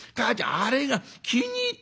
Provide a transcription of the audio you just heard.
あれが気に入った」。